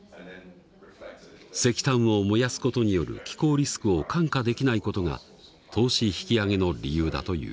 石炭を燃やす事による気候リスクを看過できない事が投資引き揚げの理由だという。